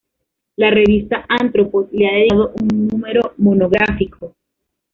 La revista Anthropos le ha dedicado un número monográfico.